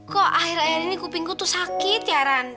kok akhir akhir ini kupingku tuh sakit ya ran